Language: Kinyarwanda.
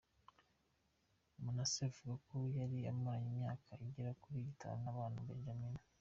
Manasse avuga ko yari amaranye imyaka igera kuri itanu abana na Benjamin.